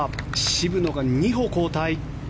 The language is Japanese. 渋野が２歩後退。